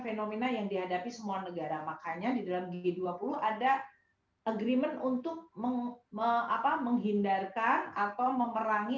fenomena yang dihadapi semua negara makanya di dalam g dua puluh ada agreement untuk mengapa menghindarkan atau memerangi